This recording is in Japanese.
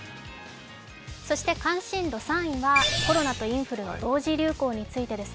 関心度３位は、コロナとインフルの同時流行についてです。